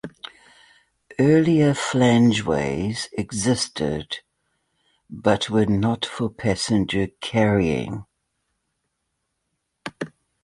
Earlier flangeways existed, but were not for passenger carrying.